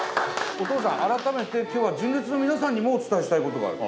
お父さん改めて今日は純烈の皆さんにもお伝えしたいことがある。